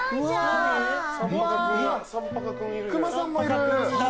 熊さんもいる。